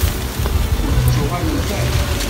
Ur d-ttuɣalent ara.